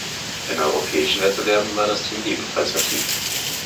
In europäischen Wettbewerben war das Team ebenfalls aktiv.